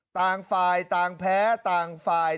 ต่างฝ่ายต่างแพ้ต่างฝ่าย